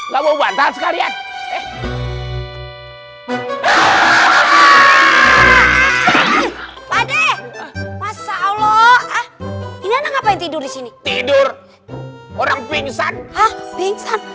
masalah ini ngapain tidur di sini tidur orang pingsan